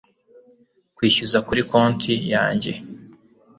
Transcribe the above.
kwishyuza kuri konti yanjye